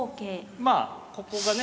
まあここがね。